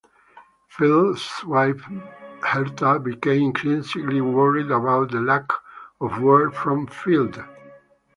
Field's wife Herta became increasingly worried about the lack of word from Field.